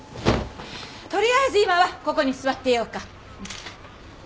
とりあえず今はここに座ってようか。